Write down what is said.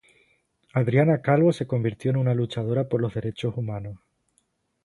Adriana Calvo se convirtió en una luchadora por los Derechos Humanos.